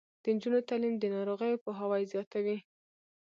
د نجونو تعلیم د ناروغیو پوهاوي زیاتوي.